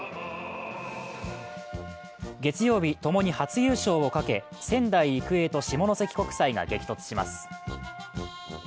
月曜日、共に初優勝をかけ、仙台育英と下関国際が激突します。